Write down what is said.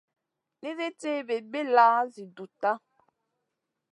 Nisi ci bilbilla zi dutta.